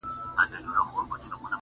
ځوانان بحث کوي په کوڅو تل،